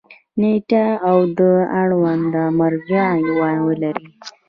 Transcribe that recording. نیټه او د اړونده مرجع عنوان ولري.